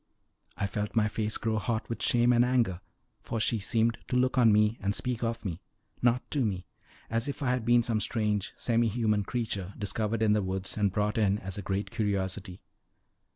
I felt my face grow hot with shame and anger, for she seemed to look on me and speak of me not to me as if I had been some strange, semi human creature, discovered in the woods, and brought in as a great curiosity.